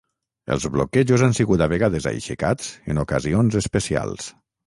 Els bloquejos han sigut a vegades aixecats en ocasions especials.